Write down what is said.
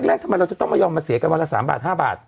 ทำไมเราจะต้องมายอมมาเสียกันวันละ๓บาท๕บาท